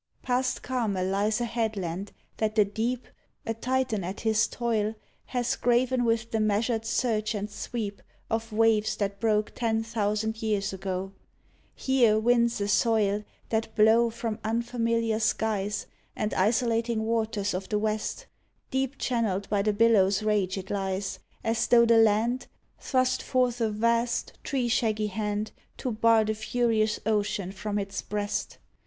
Past Carmel lies a headland that the deep — A Titan at his toil — Has graven with the measured surge and sweep Of waves that broke ten thousand years ago. Here winds assoil That blow From unfamiliar skies 67 AN AL^JR OF I'HE WEST And isolating waters of the West. Deep channelled by the billows' rage it lies, As tho the land Thrust forth a vast, tree shaggy hand To bar the furious ocean from its breast.